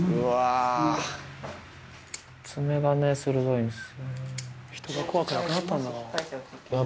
爪がね鋭いんです。